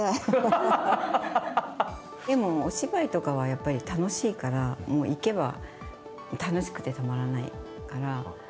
でもお芝居とかはやっぱり楽しいから、もう行けば楽しくてたまらないから。